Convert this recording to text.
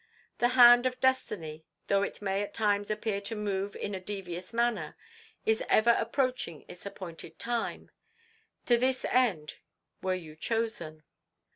The hand of destiny, though it may at times appear to move in a devious manner, is ever approaching its appointed aim. To this end were you chosen."